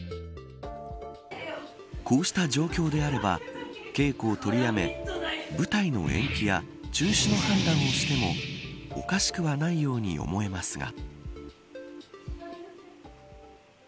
こうした状況であれば稽古を取りやめ舞台の延期や中止の判断をしてもおかしくはないように思えますが。